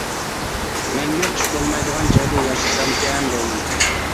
مەڭگۈ قىش بولمايدىغان جايدا ياشىسامكەن دەيمەن.